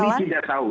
kami tidak tahu